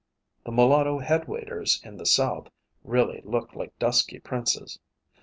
The mulatto head waiters in the South really look like dusky princes.